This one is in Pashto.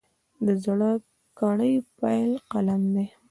د زده کړې پیل قلم دی.